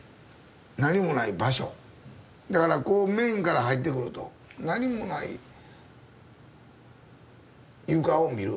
だからこうメインから入ってくると何もない床を見る。